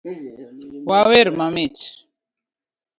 wawer mamit